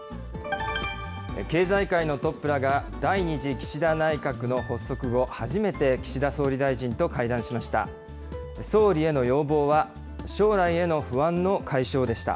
経済界のトップらが第２次岸田内閣の発足後、初めて岸田総理大臣と会談しました。